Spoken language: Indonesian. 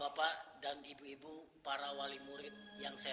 bapak dan ibu ibu para wali murid yang saya